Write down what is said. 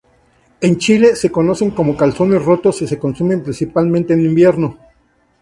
En Chile se conocen como calzones rotos y se consumen principalmente en invierno.